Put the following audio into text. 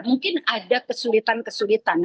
mungkin ada kesulitan kesulitan